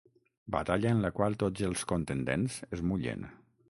Batalla en la qual tots els contendents es mullen.